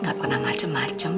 gak pernah macem macem